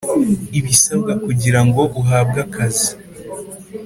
ibisabwa kugirango uhabwe akazi.